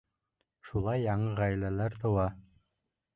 Шулай яңы ғаиләләр тыуа.